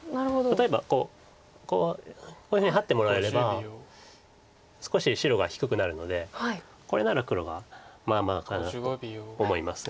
例えばこうこういうふうにハッてもらえれば少し白が低くなるのでこれなら黒がまあまあかなと思います。